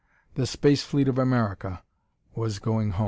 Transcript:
The Space Fleet of America was going home.